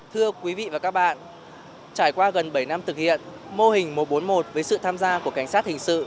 thưa quý vị và các bạn trải qua gần bảy năm thực hiện mô hình một trăm bốn mươi một với sự tham gia của cảnh sát hình sự